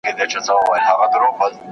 هغې دا عمل روحاني بولي.